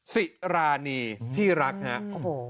สิรานีที่รักนะครับ